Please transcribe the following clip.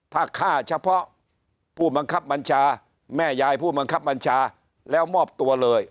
ถ้าฆ่าเฉพาะผู้บังคับบัญชาแม่ยายผู้บังคับบัญชาแล้วมอบตัวเลย